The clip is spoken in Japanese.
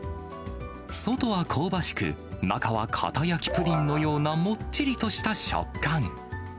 外は香ばしく、中はかた焼きプリンのようなもっちりとした食感。